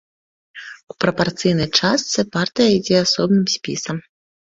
У прапарцыйнай частцы партыя ідзе асобным спісам.